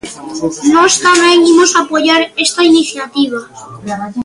Nós tamén imos apoiar esta iniciativa.